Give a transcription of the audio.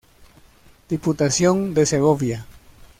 Diputación de Segovia.